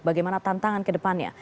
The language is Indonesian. bagaimana tantangan ke depannya